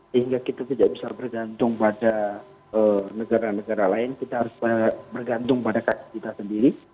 sehingga kita tidak bisa bergantung pada negara negara lain kita harus bergantung pada kaki kita sendiri